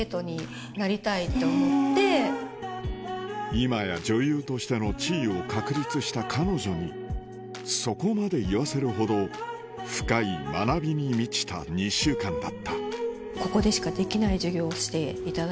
今や女優としての地位を確立した彼女にそこまで言わせるほど深い学びに満ちた２週間だったあっ